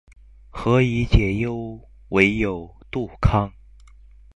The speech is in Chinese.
何以解忧，唯有杜康